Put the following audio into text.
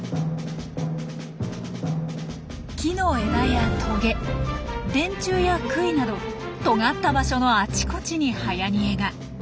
木の枝やトゲ電柱や杭などとがった場所のあちこちにはやにえが。